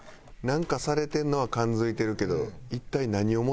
なんかされてるのは感付いてるけど